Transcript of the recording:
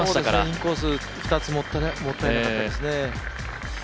インコース、２つもったいなかったですね。